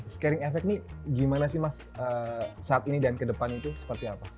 scaring effect ini gimana sih mas saat ini dan ke depan itu seperti apa